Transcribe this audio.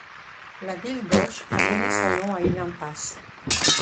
La ville d’Auch a donné son nom à une impasse.